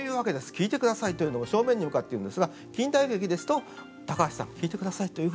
聞いてください」というのを正面に向かって言うんですが近代劇ですと「高橋さん聞いてください」というふうに横を向くと。